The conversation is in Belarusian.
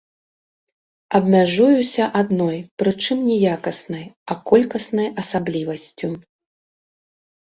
Абмяжуюся адной, прычым не якаснай, а колькаснай асаблівасцю.